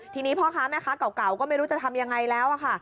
ทีนี้พ่อค้าแม่คะเก่าก็ไม่รู้จะทำอย่างไรแล้ว